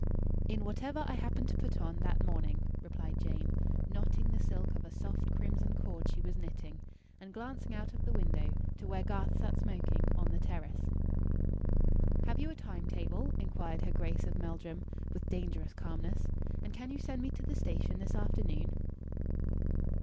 "In whatever I happen to put on, that morning," replied Jane, knotting the silk of a soft crimson cord she was knitting; and glancing out of the window, to where Garth sat smoking, on the terrace. "Have you a time table?" inquired her Grace of Meldrum, with dangerous calmness. "And can you send me to the station this afternoon?"